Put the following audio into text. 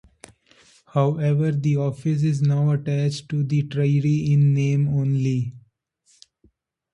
However, the office is now attached to the Treasury in name only.